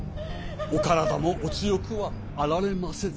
お体もお強くはあられませず。